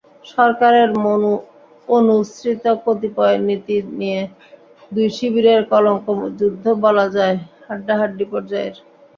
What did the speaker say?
সরকারের অনুসৃত কতিপয় নীতি নিয়ে দুই শিবিরের কলমযুদ্ধ বলা যায় হাড্ডাহাড্ডি পর্যায়ের।